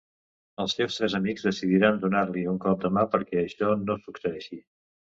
Els seus tres amics decidiran donar-li un cop de mà perquè això no succeeixi.